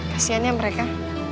kasian ya mereka